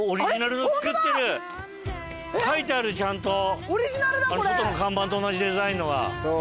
書いてあるちゃんと外の看板と同じデザインのが。